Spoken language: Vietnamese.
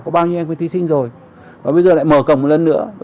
có bao nhiêu em với thí sinh rồi và bây giờ lại mở cổng một lần nữa